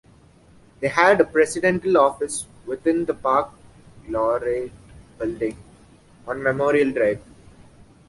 They had a presidential office within the Park Laureate Building on Memorial Drive.